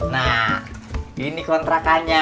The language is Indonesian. nah ini kontrakannya